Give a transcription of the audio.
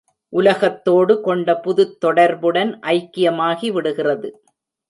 உலகத்தோடு கொண்ட புதுத் தொடர்புடன் ஐக்கியமாகி விடுகிறது.